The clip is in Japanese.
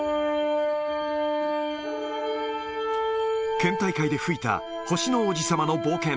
県大会で吹いた星の王子さまの冒険。